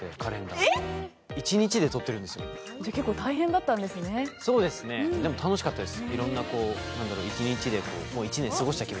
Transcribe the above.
じゃあ、結構大変だったんですねでも楽しかったです。